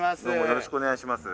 よろしくお願いします。